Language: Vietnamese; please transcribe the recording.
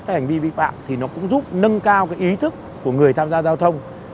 các hành vi vi phạm thì nó cũng giúp nâng cao cái ý thức của người tham gia giao thông